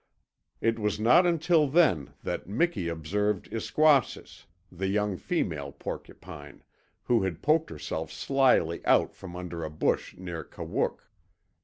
It was not until then that Miki observed Iskwasis, the young female porcupine, who had poked herself slyly out from under a bush near Kawook.